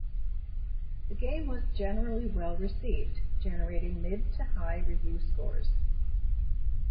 The game was generally well received, generating mid to high review scores.